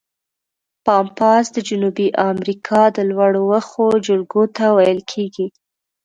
پامپاس د جنوبي امریکا د لوړو وښو جلګو ته ویل کیږي.